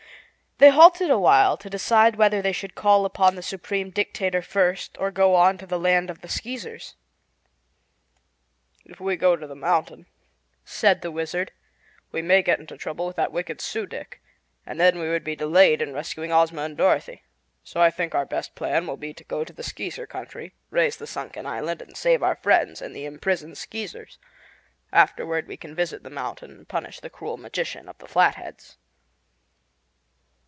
They halted awhile to decide whether they should call upon the Supreme Dictator first, or go on to the Lake of the Skeezers. "If we go to the mountain," said the Wizard, "we may get into trouble with that wicked Su dic, and then we would be delayed in rescuing Ozma and Dorothy. So I think our best plan will be to go to the Skeezer Country, raise the sunken island and save our friends and the imprisoned Skeezers. Afterward we can visit the mountain and punish the cruel magician of the Flatheads."